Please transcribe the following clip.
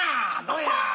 どうや。